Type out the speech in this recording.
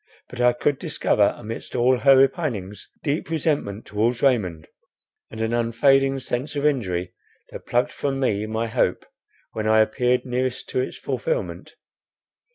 But I could discover, amidst all her repinings, deep resentment towards Raymond, and an unfading sense of injury, that plucked from me my hope, when I appeared nearest to its fulfilment.